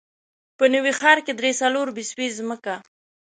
په نوي ښار کې درې، څلور بسوې ځمکه.